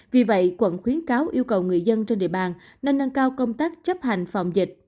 vì vậy quận khuyến cáo yêu cầu người dân trên địa bàn nên nâng cao công tác chấp hành phòng dịch